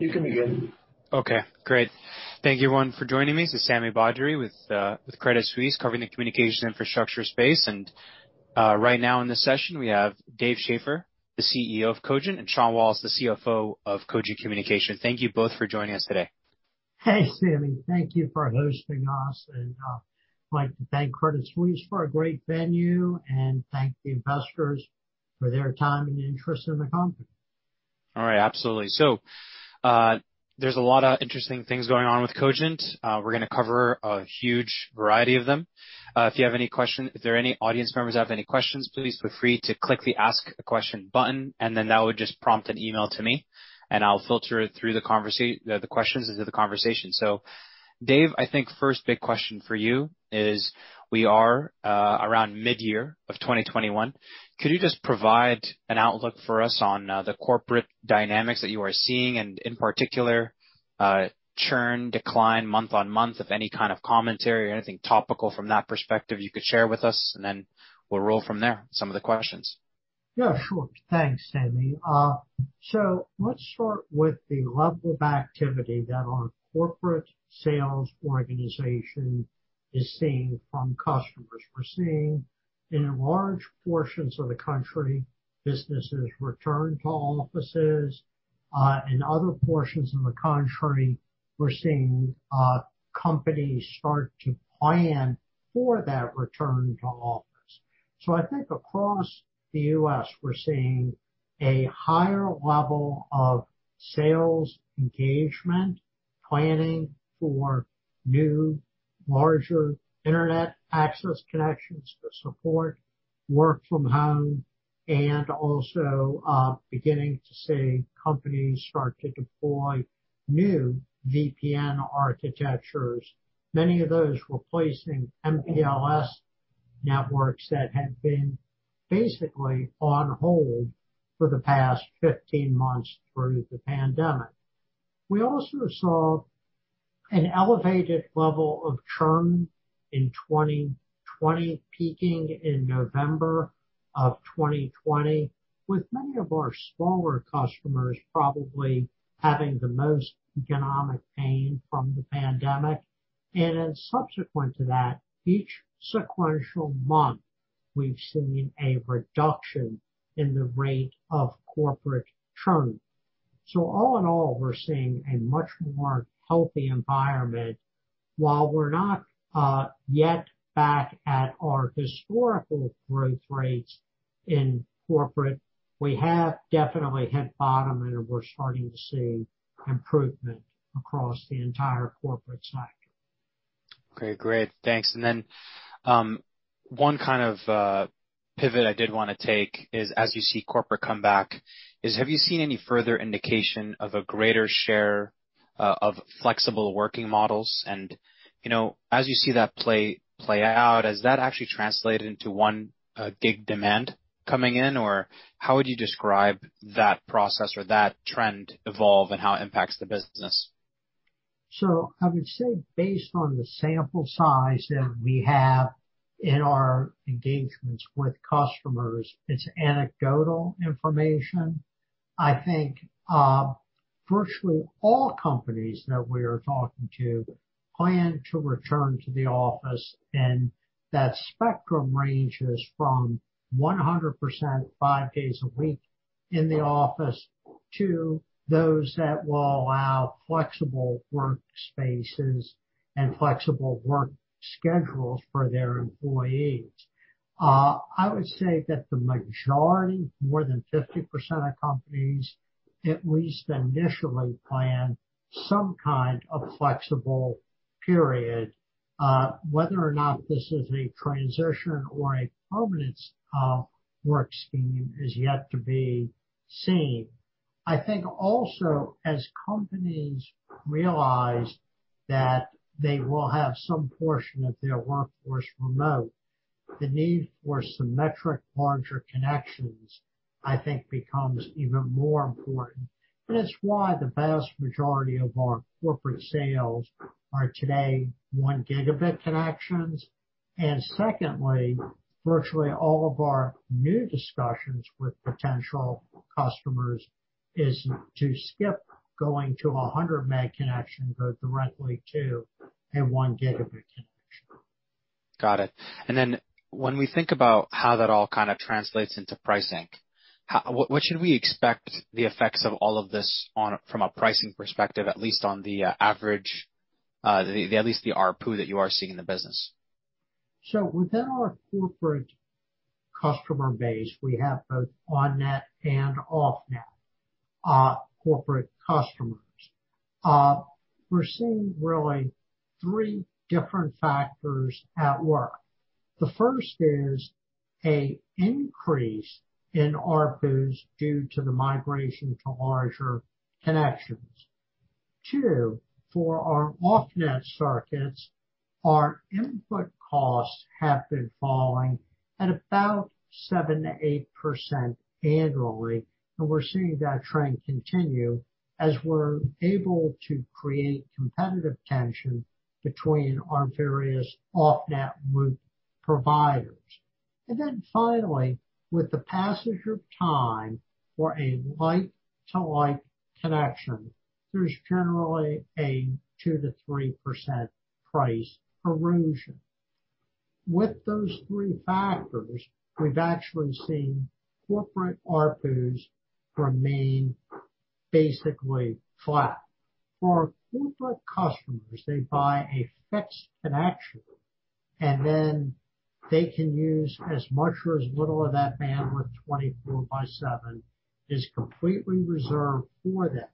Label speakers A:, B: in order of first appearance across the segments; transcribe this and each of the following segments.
A: You can begin.
B: Okay, great. Thank you everyone for joining me. This is Sami Badri with Credit Suisse covering the communication infrastructure space. Right now in this session we have Dave Schaeffer, the CEO of Cogent, and Sean Wallace, the CFO of Cogent Communications. Thank you both for joining us today.
C: Hey, Sami. Thank you for hosting us. I'd like to thank Credit Suisse for a great venue and thank the investors for their time and interest in the company.
B: All right. Absolutely. There's a lot of interesting things going on with Cogent. We're going to cover a huge variety of them. If there are any audience members have any questions, please feel free to click the ask a question button, that would just prompt an email to me, and I'll filter it through the questions into the conversation. Dave, I think first big question for you is we are around mid-year of 2021. Can you just provide an outlook for us on the corporate dynamics that you are seeing and in particular, churn decline month-on-month, if any kind of commentary or anything topical from that perspective you could share with us, we'll roll from there, some of the questions.
C: Yeah, sure. Thanks, Sami. Let's start with the level of activity that our corporate sales organization is seeing from customers. We're seeing in large portions of the country, businesses return to offices. In other portions of the country, we're seeing companies start to plan for that return to office. I think across the U.S. we're seeing a higher level of sales engagement, planning for new, larger internet access connections to support work from home, and also beginning to see companies start to deploy new VPN architectures. Many of those replacing MPLS networks that had been basically on hold for the past 15 months through the pandemic. We also saw an elevated level of churn in 2020, peaking in November of 2020, with many of our smaller customers probably having the most economic pain from the pandemic. Subsequent to that, each sequential month, we've seen a reduction in the rate of corporate churn. All in all, we're seeing a much more healthy environment. While we're not yet back at our historical growth rates in corporate, we have definitely hit bottom and we're starting to see improvement across the entire corporate sector.
B: Okay, great. Thanks. One kind of pivot I did want to take is as you see corporate come back, have you seen any further indication of a greater share of flexible working models? As you see that play out, has that actually translated into one big demand coming in? How would you describe that process or that trend evolve and how it impacts the business?
C: I would say based on the sample size that we have in our engagements with customers, it's anecdotal information. I think virtually all companies that we are talking to plan to return to the office, and that spectrum ranges from 100% five days a week in the office to those that will allow flexible workspaces and flexible work schedules for their employees. I would say that the majority, more than 50% of companies, at least initially plan some kind of flexible period. Whether or not this is a transition or a permanent work scheme is yet to be seen. I think also as companies realize that they will have some portion of their workforce remote, the need for symmetric larger connections, I think becomes even more important. It's why the vast majority of our corporate sales are today 1 Gb connections. Secondly, virtually all of our new discussions with potential customers is to skip going to a 100 Mb connection, go directly to a 1 Gb connection.
B: Got it. Then when we think about how that all kind of translates into pricing, what should we expect the effects of all of this from a pricing perspective, at least on the average, at least the ARPU that you are seeing in the business?
C: Within our corporate customer base, we have both on-net and off-net corporate customers. We're seeing really three different factors at work. The first is a increase in ARPUs due to the migration to larger connections. Two, for our off-net circuits, our input costs have been falling at about 7%-8% annually, and we're seeing that trend continue as we're able to create competitive tension between our various off-net route providers. Finally, with the passage of time for a like-to-like connection, there's generally a 2%-3% price erosion. With those three factors, we've actually seen corporate ARPUs remain basically flat. For our corporate customers, they buy a fixed connection, and then they can use as much or as little of that bandwidth 24x7 is completely reserved for them.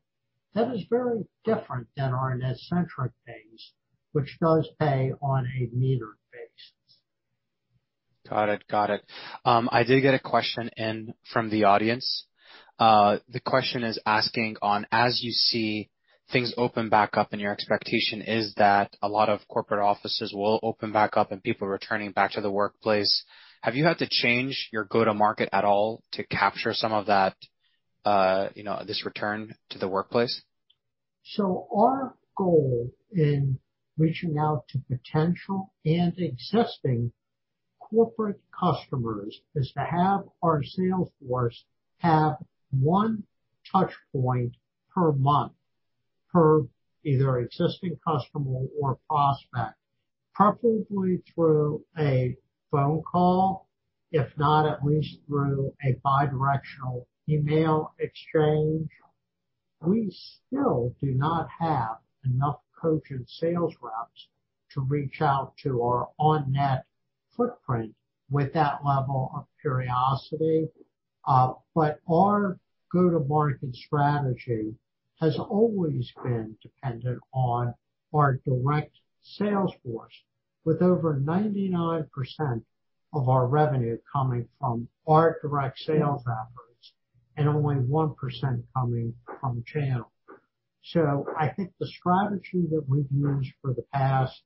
C: That is very different than our NetCentric base, which does pay on a metered basis.
B: Got it. I did get a question in from the audience. The question is asking on as you see things open back up and your expectation is that a lot of corporate offices will open back up and people returning back to the workplace, have you had to change your go-to-market at all to capture some of this return to the workplace?
C: Our goal in reaching out to potential and existing corporate customers is to have our sales force have one touch point per month per either existing customer or prospect, preferably through a phone call, if not at least through a bidirectional email exchange. We still do not have enough Cogent sales reps to reach out to our on-net footprint with that level of periodicity. Our go-to-market strategy has always been dependent on our direct sales force, with over 99% of our revenue coming from our direct sales efforts and only 1% coming from channel. I think the strategy that we've used for the past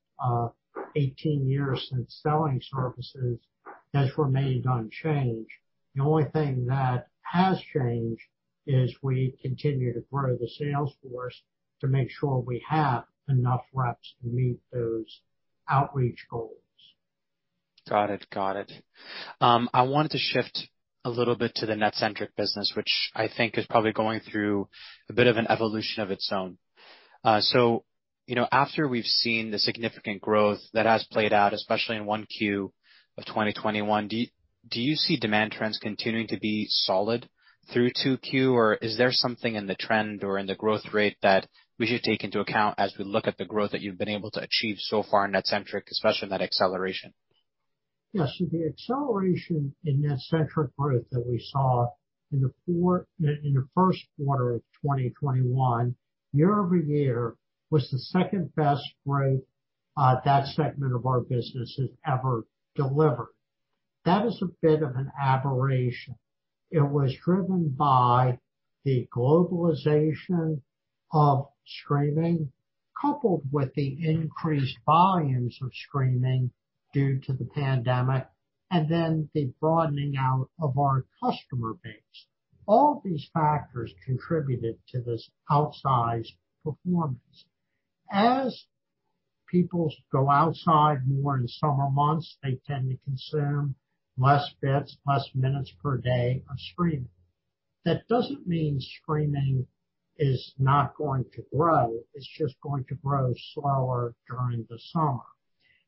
C: 18 years since selling services has remained unchanged. The only thing that has changed is we continue to grow the sales force to make sure we have enough reps to meet those outreach goals.
B: Got it. I want to shift a little bit to the NetCentric business, which I think is probably going through a bit of an evolution of its own. After we've seen the significant growth that has played out, especially in 1Q of 2021, do you see demand trends continuing to be solid through 2Q, or is there something in the trend or in the growth rate that we should take into account as we look at the growth that you've been able to achieve so far in NetCentric, especially in that acceleration?
C: Yeah. The acceleration in NetCentric growth that we saw in the first quarter of 2021 year-over-year was the second-best growth that segment of our business has ever delivered. That is a bit of an aberration. It was driven by the globalization of streaming, coupled with the increased volumes of streaming due to the pandemic, and then the broadening out of our customer base. All of these factors contributed to this outsized performance. As people go outside more in summer months, they tend to consume less bits, less minutes per day of streaming. That doesn't mean streaming is not going to grow. It's just going to grow slower during the summer.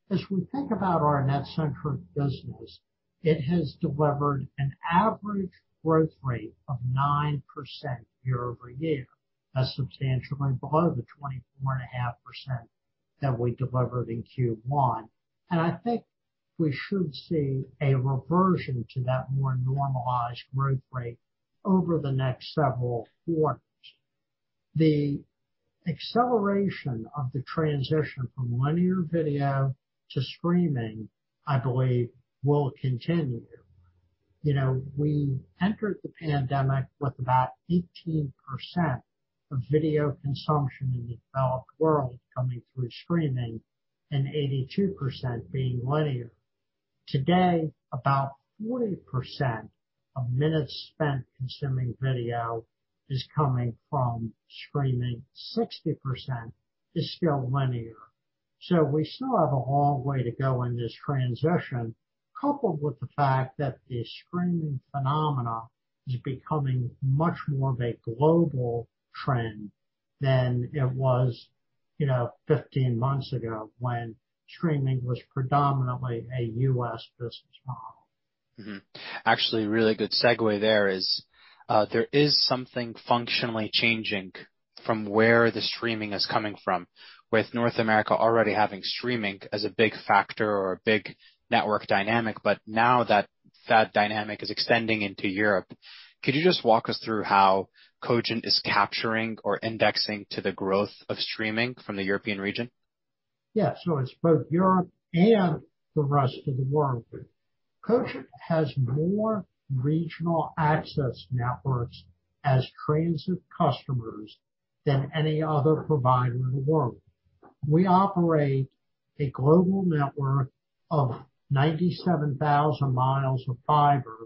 C: As we think about our NetCentric business, it has delivered an average growth rate of 9% year-over-year. That's substantially below the 24.5% that we delivered in Q1. I think we should see a reversion to that more normalized growth rate over the next several quarters. The acceleration of the transition from linear video to streaming, I believe, will continue. We entered the pandemic with about 18% of video consumption in the developed world coming through streaming and 82% being linear. Today, about 40% of minutes spent consuming video is coming from streaming. 60% is still linear. We still have a long way to go in this transition, coupled with the fact that the streaming phenomena is becoming much more of a global trend than it was 15 months ago when streaming was predominantly a U.S. business model.
B: Mm-hmm. Actually, a really good segue there is there is something functionally changing from where the streaming is coming from, with North America already having streaming as a big factor or a big network dynamic. Now that dynamic is extending into Europe. Could you just walk us through how Cogent is capturing or indexing to the growth of streaming from the European region?
C: Yeah. It's both Europe and the rest of the world. Cogent has more regional access networks as transit customers than any other provider in the world. We operate a global network of 97,000 mi of fiber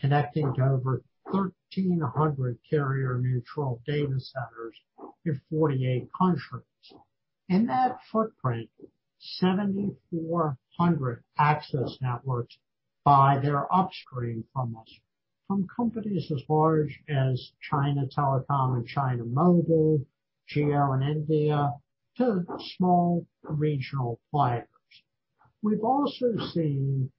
C: connecting to over 1,300 carrier-neutral data centers in 48 countries. In that footprint, 7,400 access networks buy their upstream from us, from companies as large as China Telecom and China Mobile, Jio in India, to small regional players. We've also seen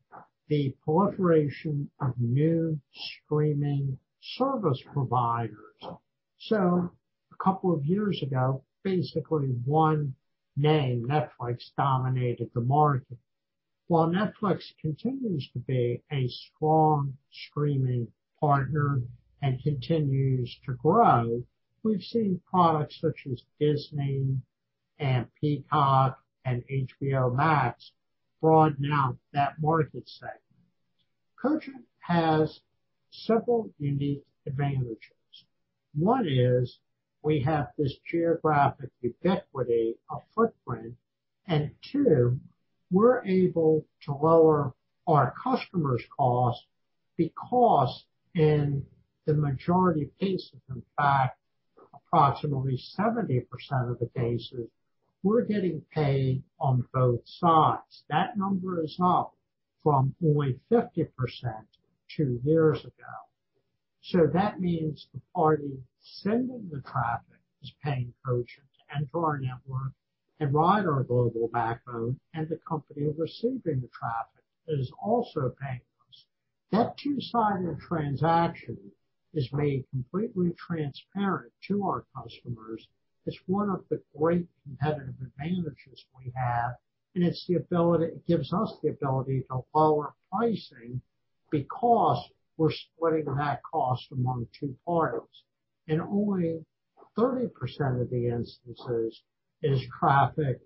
C: the proliferation of new streaming service providers. A couple of years ago, basically one name, Netflix, dominated the market. While Netflix continues to be a strong streaming partner and continues to grow, we've seen products such as Disney+ and Peacock and HBO Max broaden out that market segment. Cogent has several unique advantages. One is we have this geographic ubiquity of footprint, and two, we're able to lower our customers' costs because in the majority of cases, in fact, approximately 70% of the cases, we're getting paid on both sides. That number is up from only 50% two years ago. That means the party sending the traffic is paying Cogent to enter our network and ride our global backbone, and the company receiving the traffic is also paying us. That two-sided transaction is made completely transparent to our customers. It's one of the great competitive advantages we have, and it gives us the ability to lower pricing because we're splitting that cost among two parties. Only 30% of the instances is traffic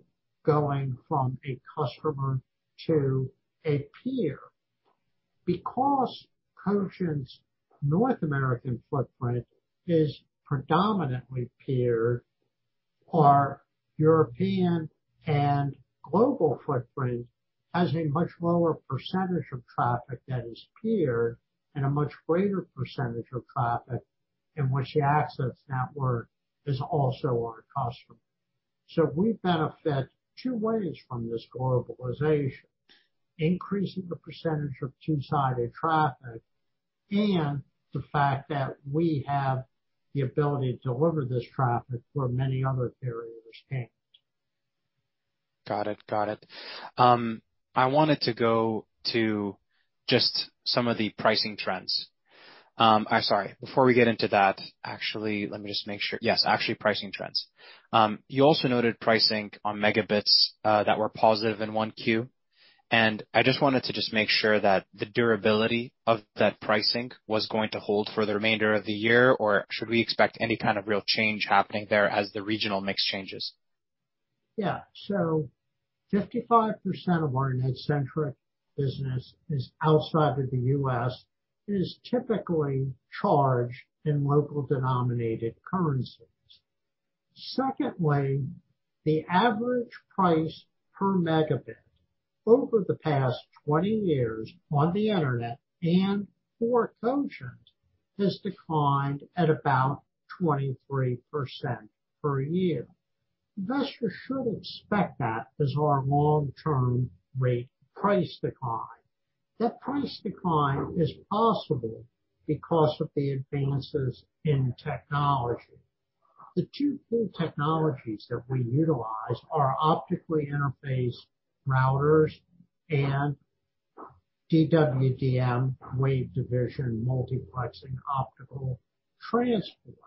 C: going from a customer to a peer. Because Cogent's North American footprint is predominantly peer, our European and global footprint has a much lower percentage of traffic that is peer and a much greater percentage of traffic in which the access network is also our customer. We benefit two ways from this globalization, increasing the percentage of two-sided traffic and the fact that we have the ability to deliver this traffic where many other carriers can't.
B: Got it. I wanted to go to just some of the pricing trends. I'm sorry. Before we get into that, actually, let me just make sure. Yes, actually, pricing trends. You also noted pricing on megabits that were positive in 1Q. I just wanted to make sure that the durability of that pricing was going to hold for the remainder of the year, or should we expect any kind of real change happening there as the regional mix changes?
C: 55% of our NetCentric business is outside of the U.S., is typically charged in local denominated currencies. Secondly, the average price per megabit over the past 20 years on the internet and for Cogent has declined at about 23% per year. Investors should expect that as our long-term rate price decline. That price decline is possible because of the advances in technology. The two key technologies that we utilize are optically interfaced routers and DWDM, wavelength division multiplexing optical transport.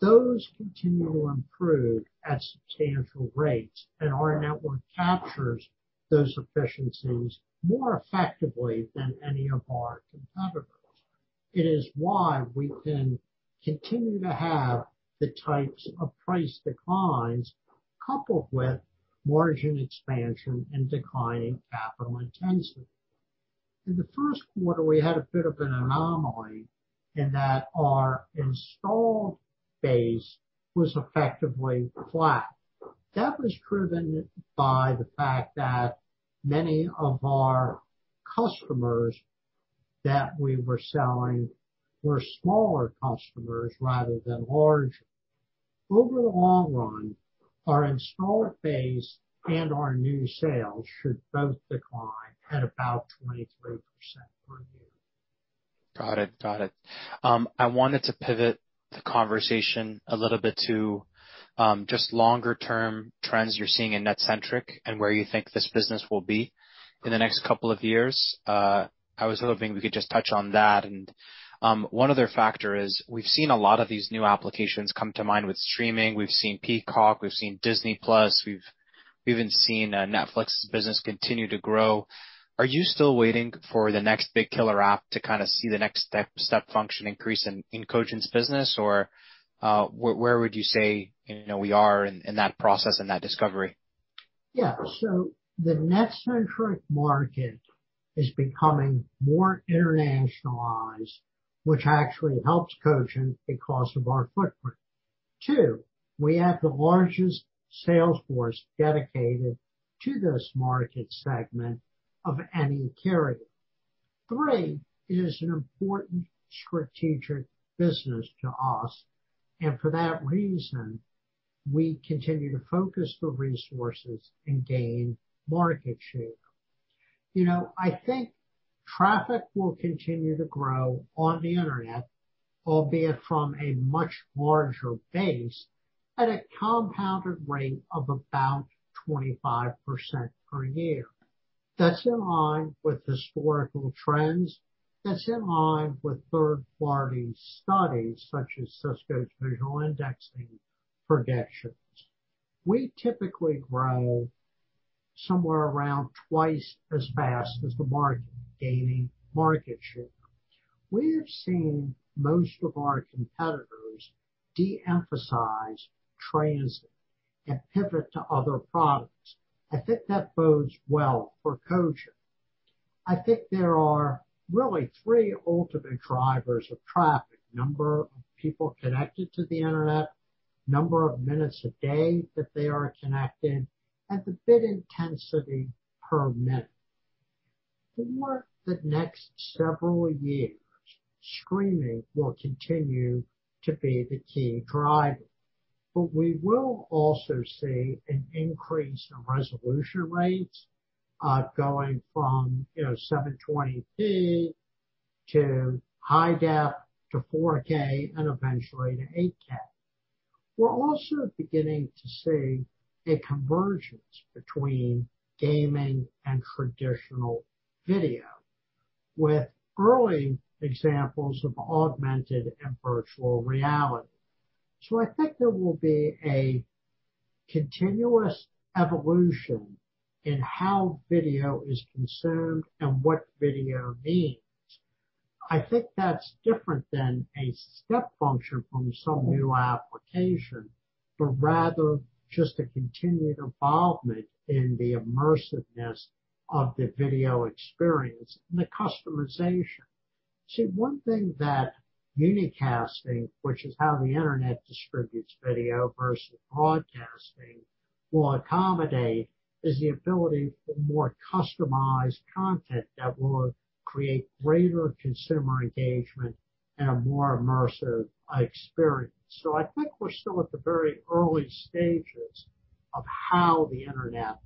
C: Those continue to improve at substantial rates, and our network captures those efficiencies more effectively than any of our competitors. It is why we can continue to have the types of price declines coupled with margin expansion and declining capital intensity. In the first quarter, we had a bit of an anomaly in that our installed base was effectively flat. That was driven by the fact that many of our customers that we were selling were smaller customers rather than larger. Over the long run, our installed base and our new sales should both decline at about 23% per year.
B: Got it. I wanted to pivot the conversation a little bit to just longer-term trends you're seeing in NetCentric and where you think this business will be for the next couple of years. I was hoping we could just touch on that. One other factor is we've seen a lot of these new applications come to mind with streaming. We've seen Peacock, we've seen Disney+, we've even seen Netflix's business continue to grow. Are you still waiting for the next big killer app to kind of see the next step function increase in Cogent's business? Or where would you say we are in that process and that discovery?
C: The NetCentric market is becoming more internationalized, which actually helps Cogent because of our footprint. Two, we have the largest sales force dedicated to this market segment of any carrier. Three, it is an important strategic business to us, and for that reason, we continue to focus the resources and gain market share. I think traffic will continue to grow on the internet, albeit from a much larger base, at a compounded rate of about 25% per year. That's in line with historical trends. That's in line with third-party studies, such as Cisco's Visual Networking Index predictions. We typically grow somewhere around twice as fast as the market, gaining market share. We have seen most of our competitors de-emphasize transit and pivot to other products. I think that bodes well for Cogent. I think there are really 3 ultimate drivers of traffic, number of people connected to the internet, number of minutes a day that they are connected, and the bit intensity per minute. For the next several years, streaming will continue to be the key driver. We will also see an increase in resolution rates, going from 720p to high-def to 4K, and eventually to 8K. We're also beginning to see a convergence between gaming and traditional video, with early examples of augmented and virtual reality. I think there will be a continuous evolution in how video is consumed and what video means. I think that's different than a step function from some new application, but rather just a continued involvement in the immersiveness of the video experience and the customization. See, one thing that unicasting, which is how the internet distributes video versus broadcasting, will accommodate is the ability for more customized content that will create greater consumer engagement and a more immersive experience. I think we're still at the very early stages of how the internet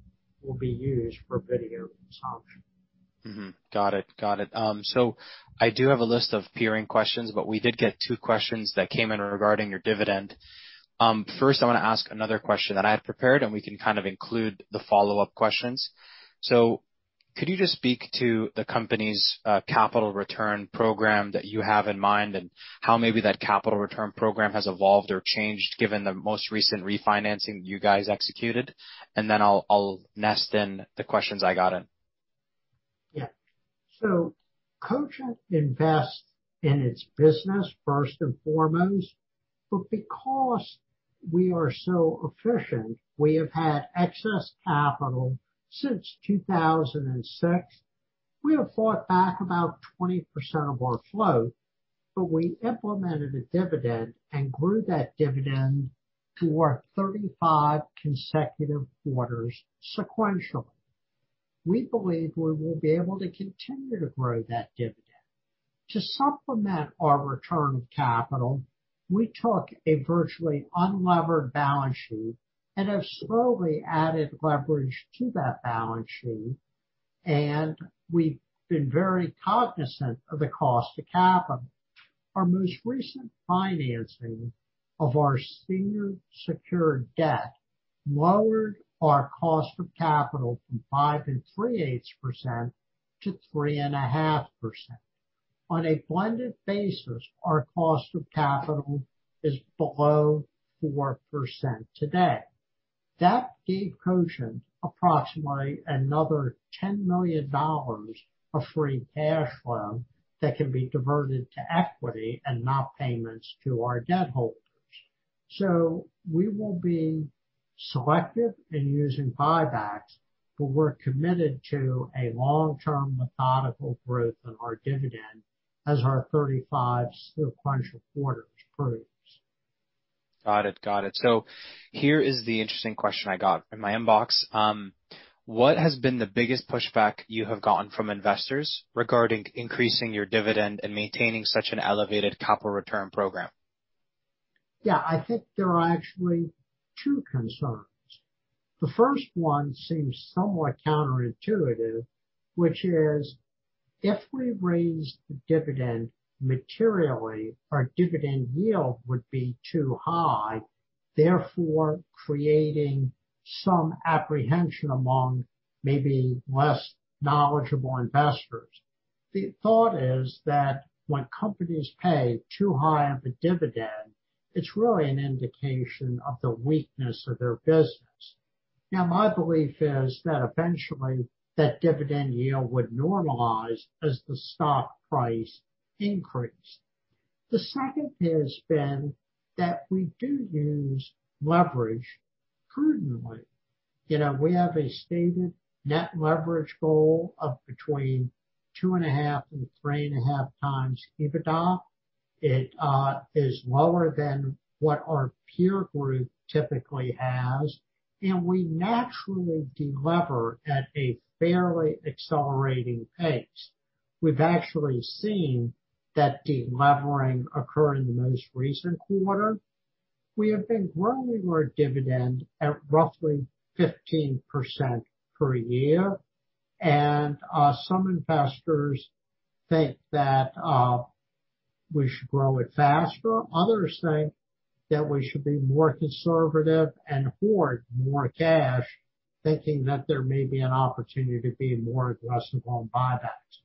C: will be used for video consumption.
B: Mm-hmm. Got it. I do have a list of peering questions, but we did get two questions that came in regarding your dividend. First, I want to ask another question that I had prepared, and we can include the follow-up questions. Could you just speak to the company's capital return program that you have in mind, and how maybe that capital return program has evolved or changed given the most recent refinancing you guys executed? I'll nest in the questions I got in.
C: Cogent invests in its business first and foremost, but because we are so efficient, we have had excess capital since 2006. We have bought back about 20% of our float, but we implemented a dividend and grew that dividend to our 35 consecutive quarters sequentially. We believe we will be able to continue to grow that dividend. To supplement our return of capital, we took a virtually unlevered balance sheet and have slowly added leverage to that balance sheet, and we've been very cognizant of the cost of capital. Our most recent financing of our senior secured debt lowered our cost of capital from 5.38% to 3.5%. On a blended basis, our cost of capital is below 4% today. That frees Cogent approximately another $10 million of free cash flow that can be diverted to equity and not payments to our debt holders. We will be selective in using buybacks, but we're committed to a long-term methodical growth in our dividend as our 35 sequential quarters proves.
B: Got it. Here is the interesting question I got in my inbox. What has been the biggest pushback you have gotten from investors regarding increasing your dividend and maintaining such an elevated capital return program?
C: Yeah, I think there are actually two concerns. The first one seems somewhat counterintuitive, which is if we raise the dividend materially, our dividend yield would be too high, therefore creating some apprehension among maybe less knowledgeable investors. The thought is that when companies pay too high of a dividend, it's really an indication of the weakness of their business. My belief is that eventually that dividend yield would normalize as the stock price increased. The second has been that we do use leverage prudently. We have a stated net leverage goal of between 2.5x and 3.5x EBITDA. It is lower than what our peer group typically has, and we naturally de-lever at a fairly accelerating pace. We've actually seen that de-levering occur in the most recent quarter. We have been growing our dividend at roughly 15% per year, and some investors think that we should grow it faster. Others think that we should be more conservative and hoard more cash, thinking that there may be an opportunity to be more aggressive on buybacks.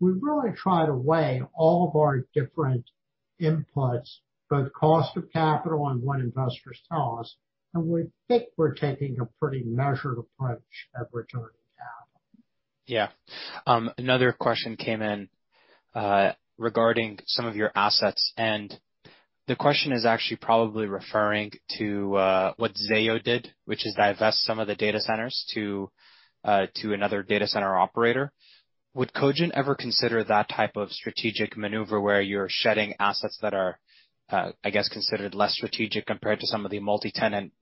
C: We really try to weigh all of our different inputs, both cost of capital and what investors tell us, and we think we're taking a pretty measured approach at returning capital.
B: Yeah. Another question came in regarding some of your assets, and the question is actually probably referring to what Zayo did, which is divest some of the data centers to another data center operator. Would Cogent ever consider that type of strategic maneuver where you're shedding assets that are, I guess, considered less strategic compared to some of the multi-tenant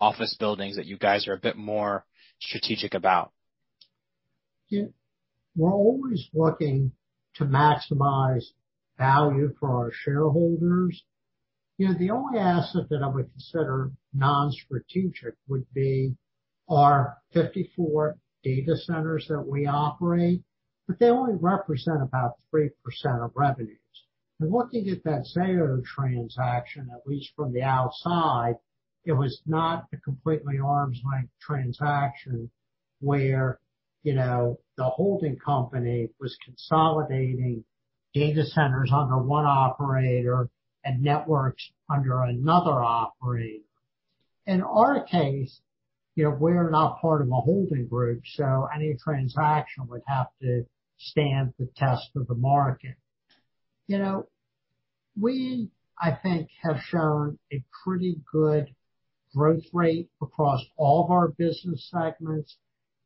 B: office buildings that you guys are a bit more strategic about?
C: We're always looking to maximize value for our shareholders. The only asset that I would consider non-strategic would be our 54 data centers that we operate, but they only represent about 3% of revenues. Looking at that Zayo transaction, at least from the outside, it was not a completely arms-length transaction where the holding company was consolidating data centers under one operator and networks under another operator. In our case, we're not part of a holding group, any transaction would have to stand the test of the market. We, I think, have shown a pretty good growth rate across all of our business segments,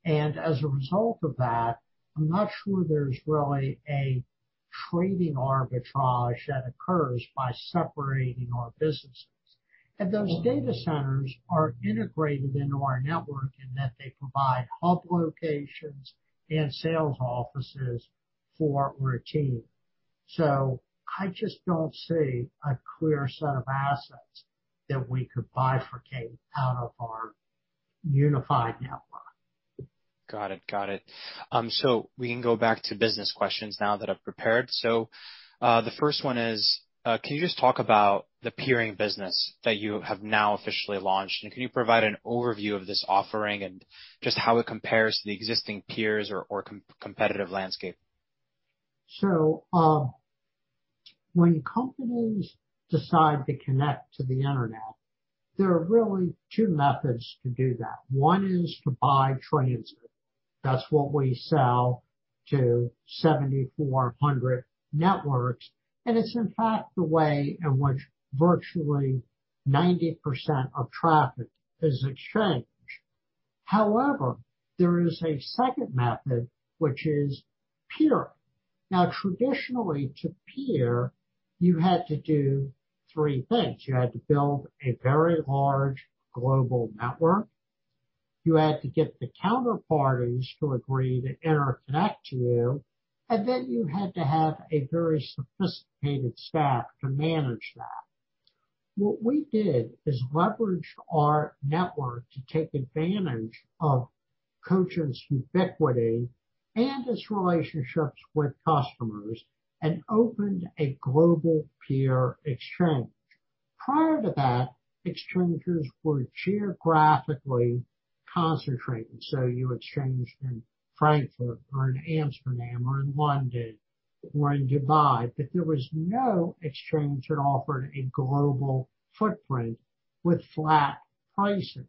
C: as a result of that, I'm not sure there's really a trading arbitrage that occurs by separating our businesses. Those data centers are integrated into our network in that they provide hub locations and sales offices for our team. I just don't see a clear set of assets that we could bifurcate out of our unified network.
B: Got it. We can go back to business questions now that I've prepared. The first one is, can you just talk about the peering business that you have now officially launched? Can you provide an overview of this offering and just how it compares to the existing peers or competitive landscape?
C: When companies decide to connect to the Internet, there are really two methods to do that. One is to buy transit. That's what we sell to 7,400 networks, and it's in fact the way in which virtually 90% of traffic is exchanged. There is a second method, which is peer. Traditionally to peer, you had to do three things. You had to build a very large global network, you had to get the counterparties to agree to interconnect to you, and then you had to have a very sophisticated staff to manage that. What we did is leverage our network to take advantage of Cogent's ubiquity and its relationships with customers and opened a global peer exchange. Prior to that, exchangers were geographically concentrated, so you exchanged in Frankfurt or in Amsterdam or in London or in Dubai. There was no exchange that offered a global footprint with flat pricing.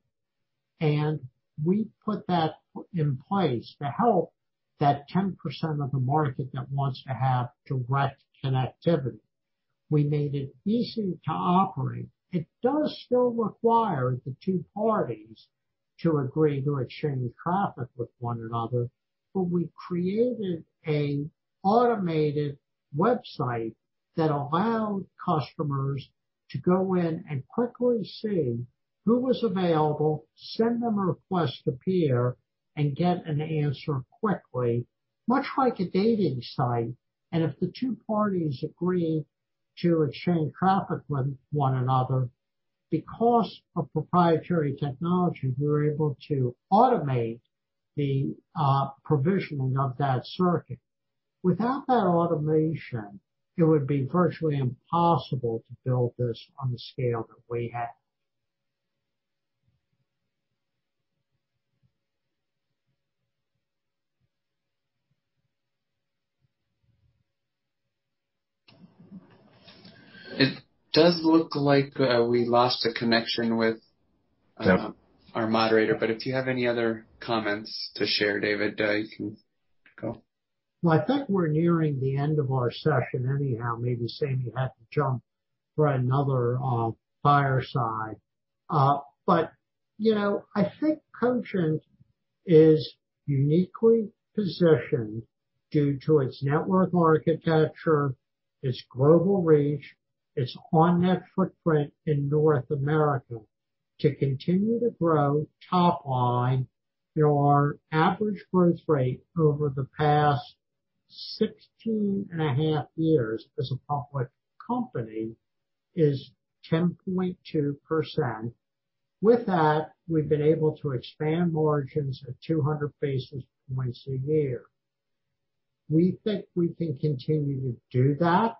C: We put that in place to help that 10% of the market that wants to have direct connectivity. We made it easy to operate. It does still require the two parties to agree to exchange traffic with one another, but we created an automated website that allowed customers to go in and quickly see who was available, send them a request to peer, and get an answer quickly, much like a dating site. If the two parties agree to exchange traffic with one another, because of proprietary technology, we're able to automate the provisioning of that circuit. Without that automation, it would be virtually impossible to build this on the scale that we have.
B: It does look like we lost the connection with.
C: Yeah
B: our moderator, but if you have any other comments to share, Dave, you can go.
C: I think we're nearing the end of our session anyhow, maybe Sami Badri will have to jump for another fireside. I think Cogent is uniquely positioned due to its network architecture, its global reach, its on-net footprint in North America to continue to grow top line. Our average growth rate over the past 16.5 years as a public company is 10.2%. With that, we've been able to expand margins at 200 basis points a year. We think we can continue to do that,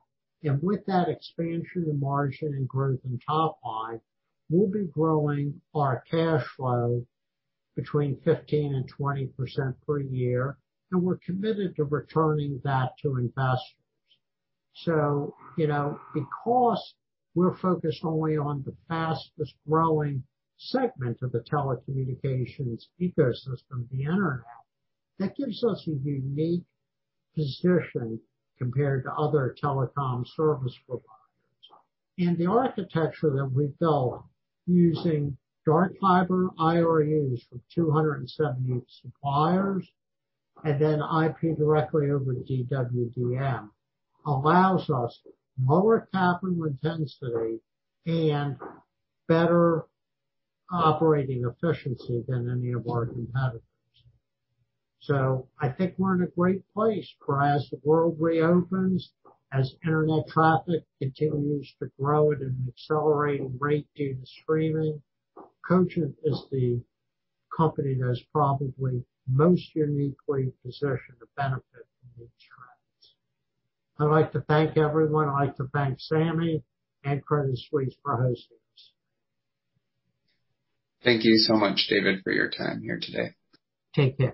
C: with that expansion of margin and growth in top line, we'll be growing our cash flow between 15%-20% per year, we're committed to returning that to investors. Because we're focused only on the fastest-growing segment of the telecommunications ecosystem, the Internet, that gives us a unique position compared to other telecom service providers. The architecture that we've built using dark fiber, IRUs from 278 suppliers, and then IP directly over DWDM, allows us lower capital intensity and better operating efficiency than any of our competitors. I think we're in a great place for as the world reopens, as Internet traffic continues to grow at an accelerating rate due to streaming, Cogent is the company that is probably most uniquely positioned to benefit from these trends. I'd like to thank everyone. I'd like to thank Sami and Credit Suisse for hosting us.
B: Thank you so much, Dave, for your time here today.
C: Take care.